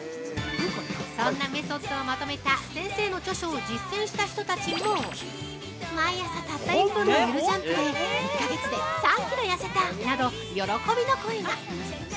そんなメソッドをまとめた先生の著書を実践した人たちも毎朝たった１分間のゆるジャンプで１か月で３キロ痩せたなど喜びの声が。